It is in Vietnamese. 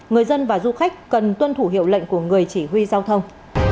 người dân và du khách cần tuân thủ hiệu lệnh của người chỉ huy giao thông